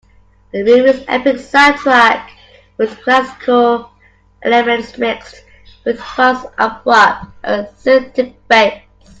The movie's epic soundtrack uses classical elements mixed with parts of rock and synthetic bass.